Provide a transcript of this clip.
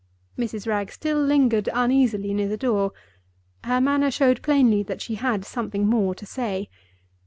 Mrs. Wragge still lingered uneasily near the door. Her manner showed plainly that she had something more to say.